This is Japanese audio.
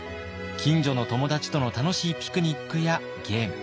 近所の友達との楽しいピクニックやゲーム。